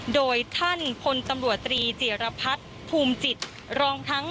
โดยท่านพลตำรวจตรีจิรพัฒน์ภูมิจิตรองทั้ง